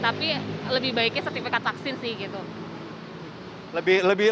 tapi lebih baiknya sertifikat vaksin sih gitu